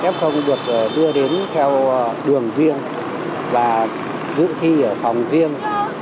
f được đưa đến theo đường riêng và dự thi ở phòng riêng